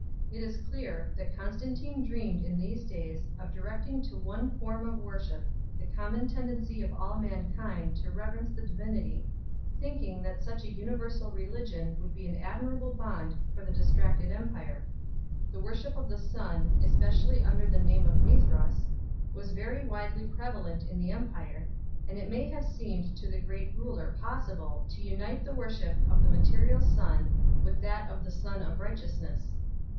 It is clear that Constantine dreamed in these days of directing to one form of worship the common ten dency of all mankind to reverence the divinity, thinking that such a universal religion would be an admirable bond for the distracted empire 2 . The worship of the Sun, espe cially under the name of Mithras, was very widely preva lent in the empire, and it may have seemed to the great ruler possible to unite the worship of the material sun with that of the Sun of Righteousness.